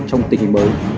trong tình hình mới